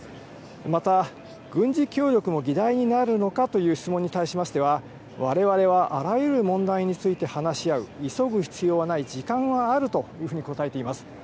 また、軍事協力も議題になるのかという質問に対しましては、われわれはあらゆる問題について話し合う、急ぐ必要はない、時間はあるというふうに答えています。